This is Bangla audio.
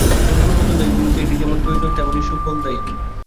স্বল্পোন্নত দেশগুলোতে এটি যেমন প্রয়োজন, তেমনি সুফলদায়ী।